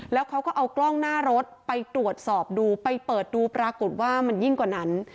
แล้วเขาก็เอากล้องหน้ารถไปตรวจสอบดูไปเปิดดูปรากฏว่ามันยิ่งกว่านั้น